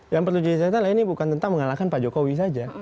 yang perlu dicatat ini bukan tentang mengalahkan pak jokowi saja